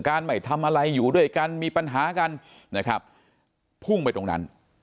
ไม่ทำอะไรอยู่ด้วยกันมีปัญหากันนะครับพุ่งไปตรงนั้น